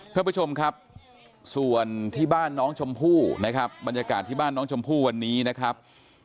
ท่านผู้ชมครับส่วนที่บ้านน้องชมพู่นะครับบรรยากาศที่บ้านน้องชมพู่วันนี้นะครับ